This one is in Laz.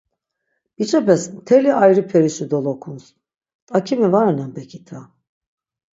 Biç̆epes mteli ayri perişi dolokuns, t̆akimi va renan bekita.